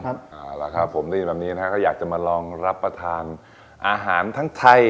เอาล่ะครับผมได้ยินแบบนี้นะฮะก็อยากจะมาลองรับประทานอาหารทั้งไทย